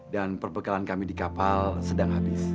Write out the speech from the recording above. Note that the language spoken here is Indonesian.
dan perpekalan kami di kapal sedang habis